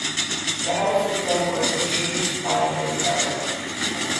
The House System was introduced by Miss Everett.